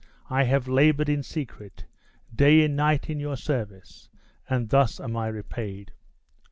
I have labored in secret, day and night, in your service, and thus am I repaid."